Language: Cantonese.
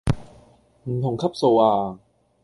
唔同級數呀